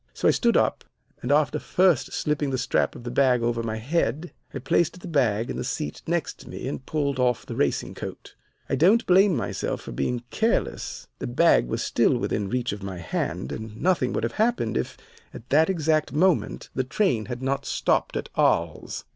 So I stood up, and, after first slipping the strap of the bag over my head, I placed the bag in the seat next me and pulled off the racing coat. I don't blame myself for being careless; the bag was still within reach of my hand, and nothing would have happened if at that exact moment the train had not stopped at Arles.